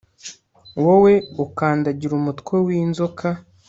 Wowe ukandagira umutwe winzoka